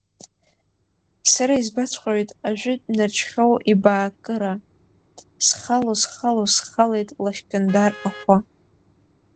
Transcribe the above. Сара избаҵәҟьоит ажәытә Нарџьхьоу ибаакыра, схало-схало схалеит Лашькьындар ахәы.